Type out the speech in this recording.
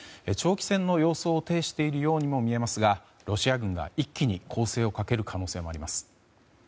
長期戦の様相を呈しているようにも見えますがロシア軍が一気に攻勢をかける可能性もあります。